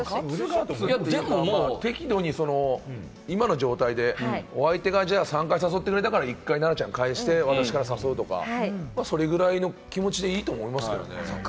適度に今の状態でお相手が３回は誘ってくれたから、１回、奈々ちゃんが返して私から誘うとか、それぐらいの気持ちでいいと思いますけれどね。